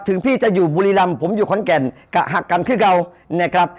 พี่จะอยู่บุรีรำผมอยู่ขอนแก่นกะหักกันคือเก่านะครับ